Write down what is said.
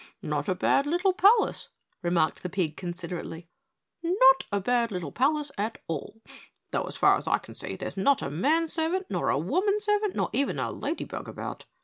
"Not a bad little palace," remarked the pig considerately. "Not a bad little palace at all, though so far as I can see there's not a man servant nor a woman servant or even a ladybug about.